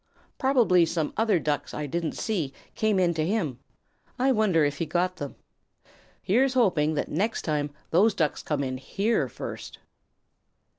Probably some other Ducks I didn't see came in to him. I wonder if he got them. Here's hoping that next time those Ducks come in here first."